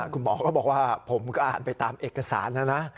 คุณหมอก็บอกว่าผมก็อ่านไปตามเอกสารนะนะ